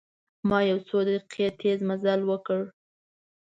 ما یو څو دقیقې تیز مزل وکړ.